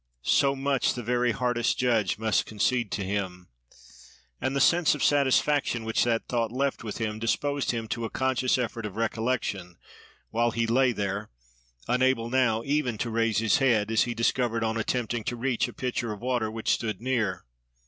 so much the very hardest judge must concede to him. And the sense of satisfaction which that thought left with him disposed him to a conscious effort of recollection, while he lay there, unable now even to raise his head, as he discovered on attempting to reach a pitcher of water which stood near.